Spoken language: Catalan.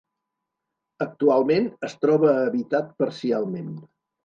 Actualment es troba habitat parcialment.